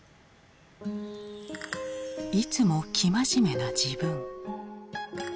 いつも生真面目な自分。